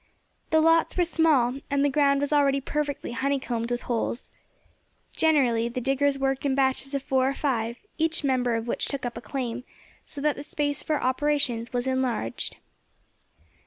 The lots were small, and the ground was already perfectly honeycombed with holes. Generally the diggers worked in batches of four or five, each member of which took up a claim, so that the space for operations was enlarged.